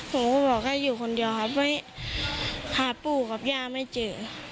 ผมก็บอกอยู่คนเดียวไปหาปู้กับยาไม่เจอ